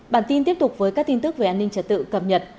bản tin tiếp tục với các tin tức về an ninh trật tự cập nhật